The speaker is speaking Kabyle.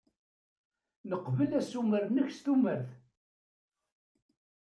Neqbel asumer-nnek s tumert.